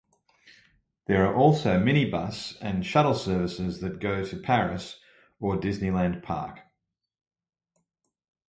There are also minibus and shuttle services that go to Paris or Disneyland Park.